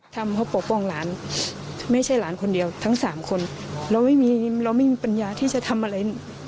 ทำเพราะปกป้องหลานไม่ใช่หลานคนเดียวทั้งสามคนเราไม่มีเราไม่มีปัญญาที่จะทำอะไร